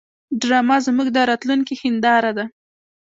ډرامه زموږ د راتلونکي هنداره ده